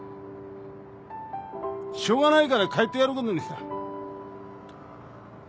しょうがないから帰ってやることにした。